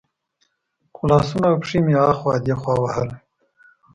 خو لاسونه او پښې مې اخوا دېخوا وهل.